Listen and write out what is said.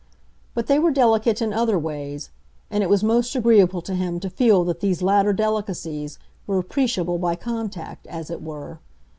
But they were delicate in other ways, and it was most agreeable to him to feel that these latter delicacies were appreciable by contact, as it were.